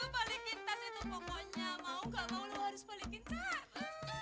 balik kita situ pokoknya